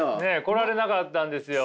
来られなかったんですよ。